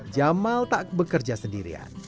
jamal tak bekerja sendirian